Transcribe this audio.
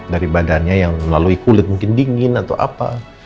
dari badannya yang melalui kulit mungkin dingin atau apa